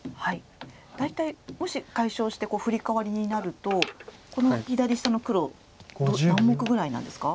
大体もし解消してフリカワリになると左下の黒何目ぐらいなんですか？